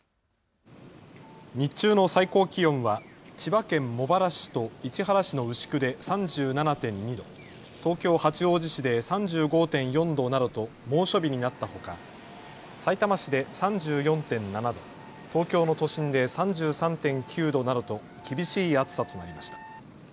日中の最高気温は千葉県茂原市と市原市の牛久で３７．２度、東京八王子市で３５．４度などと猛暑日になったほか、さいたま市で３４．７度、東京の都心で３３．９度などと厳しい暑さとなりました。